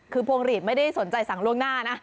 คือพวงหลีดไม่ได้สนใจสั่งล่วงหน้านะ